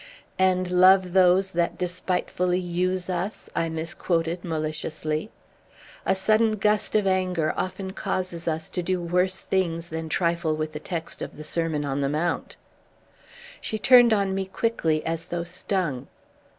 "'And love those that despitefully use us?'" I misquoted maliciously. A sudden gust of anger often causes us to do worse things than trifle with the text of the Sermon on the Mount. She turned on me quickly, as though stung.